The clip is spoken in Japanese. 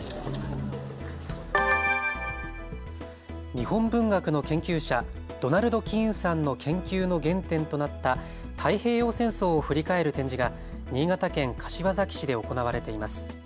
日本文学の研究者、ドナルド・キーンさんの研究の原点となった太平洋戦争を振り返る展示が新潟県柏崎市で行われています。